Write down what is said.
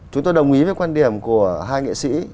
chúng tôi đồng ý với quan điểm của hai nghệ sĩ